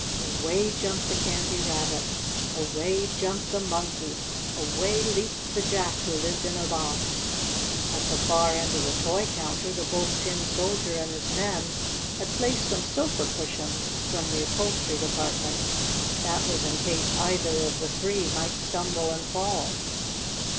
Away jumped the Candy Rabbit! Away jumped the Monkey! Away leaped the Jack who lived in a Box. At the far end of the toy counter the Bold Tin Soldier and his men had placed some sofa cushions from the upholstery department. That was in case either of the three might stumble and fall.